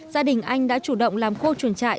gia đình anh đã chủ động làm khô chuồng trại